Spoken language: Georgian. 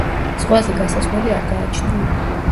ზღვაზე გასასვლელი არ გააჩნია.